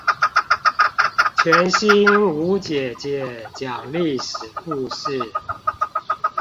全新吳姐姐講歷史故事